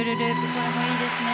これもいいですね。